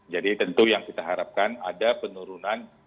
jadi tentu yang kita harapkan ada penurunan